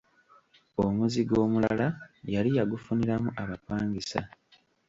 Omuzigo omulala yali yagufuniramu abapangisa.